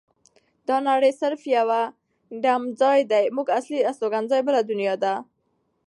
دا نړۍ صرف یو دمه ځای دی زمونږ اصلي استوګنځای بله دنیا ده.